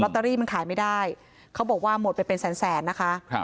เตอรี่มันขายไม่ได้เขาบอกว่าหมดไปเป็นแสนแสนนะคะ